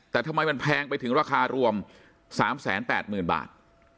แต่ทำไมมันแพงไปถึงราคารวม๓๘๐๐๐บาท